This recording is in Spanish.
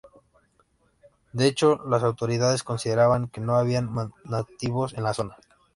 De hecho, las autoridades consideraban que no había nativos en la zona.